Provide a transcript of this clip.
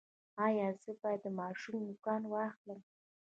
ایا زه باید د ماشوم نوکان واخلم؟